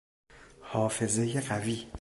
حافظهی قوی